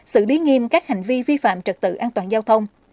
xử lý nghiêm các hành vi vi phạm trật tự an toàn giao thông